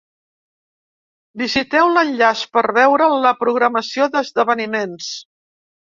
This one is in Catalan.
Visiteu l'enllaç per veure la programació d'esdeveniments.